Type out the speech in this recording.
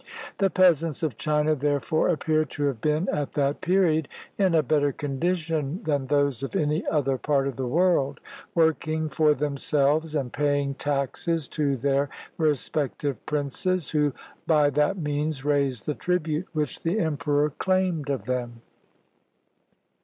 The peasants of China, therefore, appear to have been at that period in a better condition than those of any other part of the world, working for themselves and paying taxes to their respective princes, who by that means raised the tribute which the emperor claimed of them.